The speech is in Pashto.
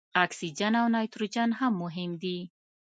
اکسیجن او نایتروجن هم مهم دي.